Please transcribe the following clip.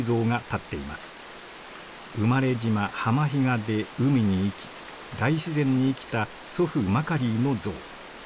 生まれ島浜比嘉で海に生き大自然に生きた祖父マカリーの像。